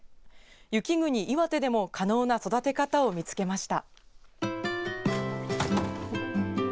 雪国、岩手でも可能な育て方を見つけました。